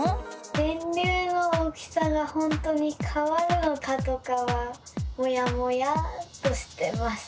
電流の大きさがほんとにかわるのかとかはモヤモヤっとしてます。